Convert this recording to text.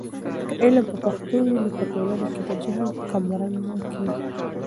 که علم په پښتو وي، نو په ټولنه کې د جهل کمرنګه کیږي.